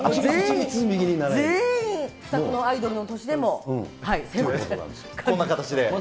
全員、不作のアイドルの年でこんな形で。